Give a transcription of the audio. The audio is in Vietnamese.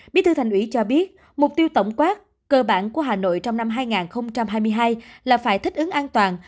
bí thư thành ủy cho biết mục tiêu tổng quát cơ bản của hà nội trong năm hai nghìn hai mươi hai là phải thích ứng an toàn